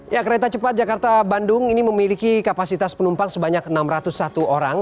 ya kereta cepat jakarta bandung ini memiliki kapasitas penumpang sebanyak enam ratus satu orang